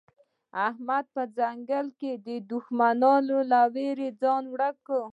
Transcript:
احمد په ځنګله کې د دوښمن له وېرې ځان ورک کړ.